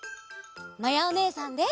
まやおねえさんです！